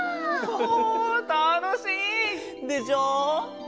おおたのしい！でしょ！